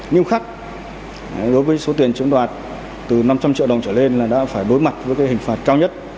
nhưng khắc đối với số tiền chiếm đoạt từ năm trăm linh triệu đồng trở lên là đã phải đối mặt với cái hình phạt cao nhất